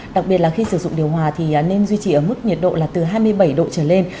đặc biệt là khi sử dụng điều hòa thì nên duy trì ở mức nhiệt độ là từ hai mươi bảy độ trở lên